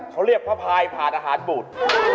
เขาเรียกพระพายผ่านอาหารบุตร